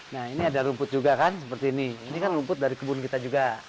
nah ini ada rumput juga kan seperti ini ini kan rumput dari kebun kita juga